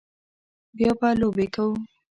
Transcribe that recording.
بیا به لوبې کوو